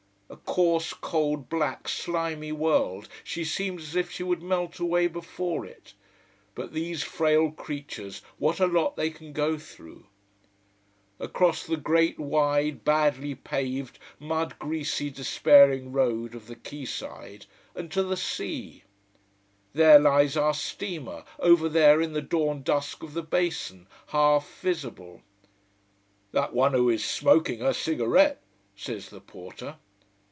A coarse, cold, black slimy world, she seems as if she would melt away before it. But these frail creatures, what a lot they can go through! [Illustration: MAP FOR SEA AND SARDINIA] Across the great, wide, badly paved, mud greasy, despairing road of the quay side, and to the sea. There lies our steamer, over there in the dawn dusk of the basin, half visible. "That one who is smoking her cigarette," says the porter.